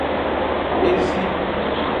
Ezi.